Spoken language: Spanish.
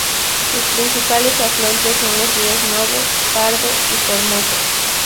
Sus principales afluentes son los ríos Novo, Pardo y Formoso.